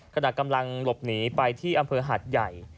ขณะกำลังหลบหนีไปที่อำเภอหาดใหญ่